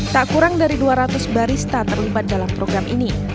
tak kurang dari dua ratus barista terlibat dalam program ini